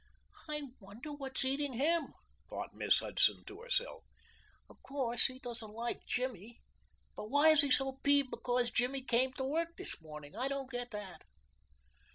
"I wonder what's eating him," thought Miss Hudson to herself. "Of course he doesn't like Jimmy, but why is he so peeved because Jimmy came to work this morning I don't quite get it."